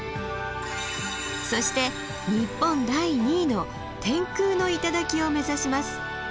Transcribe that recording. そして日本第２位の天空の頂を目指します。